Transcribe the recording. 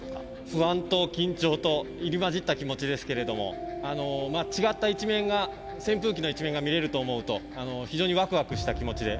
不安と緊張と入り混じった気持ちですけれども違った一面が扇風機の一面が見れると思うと非常にワクワクした気持ちでいっぱいです。